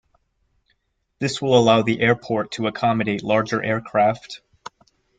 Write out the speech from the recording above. This will allow the airport to accommodate larger aircraft.